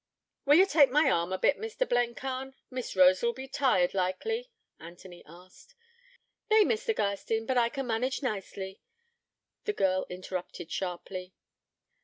'Will ye tak my arm a bit, Mr. Blencarn? Miss Rosa'll be tired, likely,' Anthony asked. 'Nay, Mr. Garstin, but I can manage nicely,' the girl interrupted sharply.